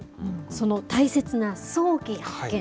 その大切な早期発見。